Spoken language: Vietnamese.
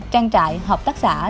trang trại hợp tác xã